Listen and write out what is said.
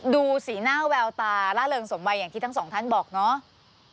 ดูสีหน้าแววตาล่าเริงสมวัยอย่างที่ทั้งสองท่านบอกเนาะ